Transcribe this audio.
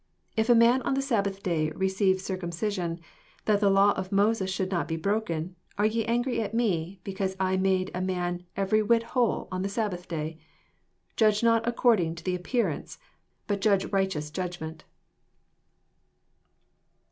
23 If a man on the Sabbath day re ceive circumcision, that the law of Moses should not be broken; are ye angry at me, because I have made a man every whit whole on the Sabbath day? 24 Judge not according to the ap pearance, but judge righteous judg ment.